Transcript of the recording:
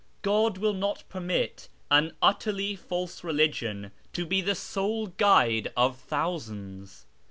God will not permit an utterly false religion to Le the sole guide of thousands.